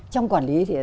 trong quản lý thì